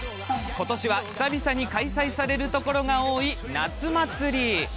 今年は久々に開催されるところが多い夏祭り。